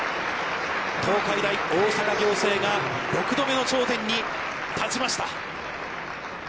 東海大大阪仰星が６度目の頂点に立ちました。